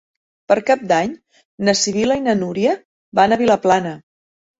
Per Cap d'Any na Sibil·la i na Núria van a Vilaplana.